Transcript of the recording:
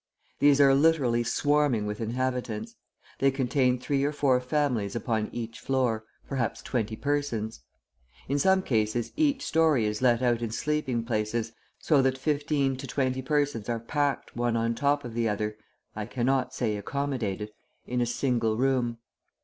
These are literally swarming with inhabitants. They contain three or four families upon each floor, perhaps twenty persons. In some cases each storey is let out in sleeping places, so that fifteen to twenty persons are packed, one on top of the other, I cannot say accommodated, in a single room.